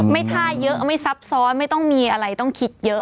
ท่าเยอะไม่ซับซ้อนไม่ต้องมีอะไรต้องคิดเยอะ